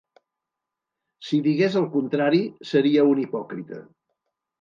Si digués el contrari, seria un hipòcrita.